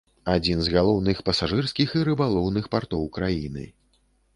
Адзін з галоўных пасажырскіх і рыбалоўных партоў краіны.